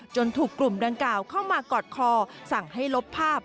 ถูกกลุ่มดังกล่าวเข้ามากอดคอสั่งให้ลบภาพ